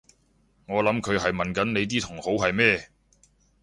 我諗佢係問緊你啲同好係咩？